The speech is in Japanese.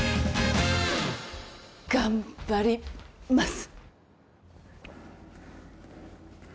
頑張ります。